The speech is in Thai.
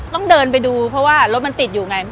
ต้องเดินไปดูเพราะว่ารถมันติดอยู่ไง